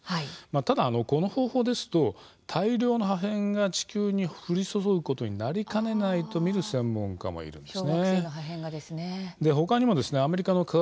ただこの方法ですと大量の破片が地球に降り注ぐことになりかねないと見る専門家もいます。